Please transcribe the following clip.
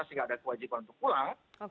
sehingga ada kewajiban untuk pulang